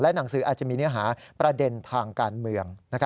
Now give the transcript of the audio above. หนังสืออาจจะมีเนื้อหาประเด็นทางการเมือง